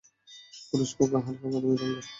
পুরুষ পোকা হালকা বাদামি রঙের।